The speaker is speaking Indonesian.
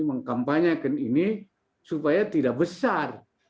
mengkampanyekan ini supaya tidak besar